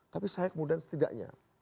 tapi saya kemudian setidaknya